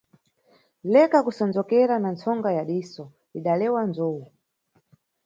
Leka kusonzokera na ntsonga ya diso - idalewa nzowu.